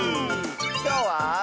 きょうは。